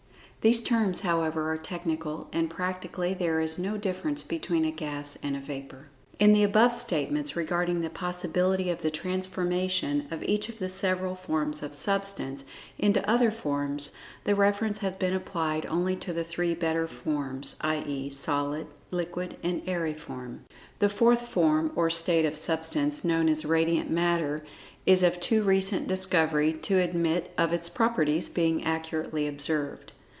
These terms, however, are technical, and practically there is no difference between a gas and a vapor. In the above statements regarding the possibility of the transformation of each of the several forms of Substance, into other forms, the reference has been applied only to the three better known forms, i.e., Solid, Liquid and Aeriform. The fourth form or state of Substance, known as Radiant Matter, is of too recent discovery to admit of its properties being accurately observed.